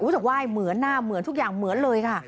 ทุกอย่างเหมือนเลยค่ะ